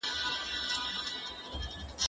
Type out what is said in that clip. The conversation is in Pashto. دا لاس له هغه پاک دی